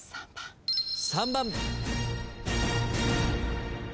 ３番。